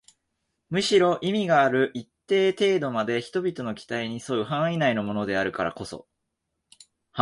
むしろ意味がある一定程度まで人々の期待に添う範囲内のものであるからこそ